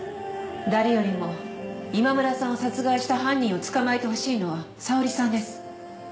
誰よりも今村さんを殺害した犯人を捕まえてほしいのは沙織さんです。